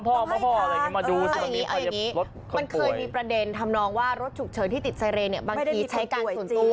ต้องให้ทางเออเอออย่างงี้มันเคยมีประเด็นทำนองว่ารถฉุกเชิญที่ติดไซเรนนี่บางทีใช้การส่วนตัว